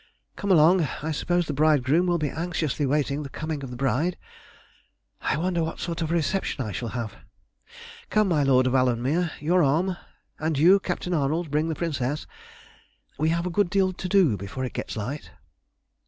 Come along; I suppose the bridegroom will be anxiously waiting the coming of the bride. I wonder what sort of a reception I shall have. Come, my Lord of Alanmere, your arm; and you, Captain Arnold, bring the Princess. We have a good deal to do before it gets light."